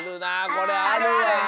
これあるわ。